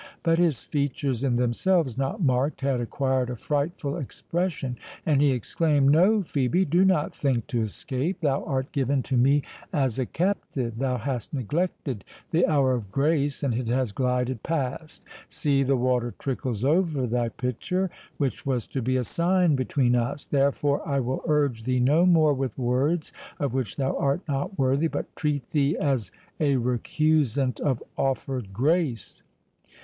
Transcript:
But his features, in themselves not marked, had acquired a frightful expression, and he exclaimed, "No, Phœbe—do not think to escape—thou art given to me as a captive—thou hast neglected the hour of grace, and it has glided past—See, the water trickles over thy pitcher, which was to be a sign between us—Therefore I will urge thee no more with words, of which thou art not worthy, but treat thee as a recusant of offered grace."